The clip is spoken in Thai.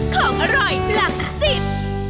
ของอร่อยหลักสิบ